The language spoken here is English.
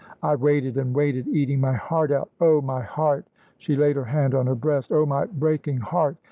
I waited and waited, eating my heart out. Oh, my heart!" she laid her hand on her breast; "oh, my breaking heart!